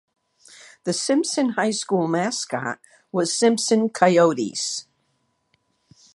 The Simpson High School mascot was Simpson Coyotes.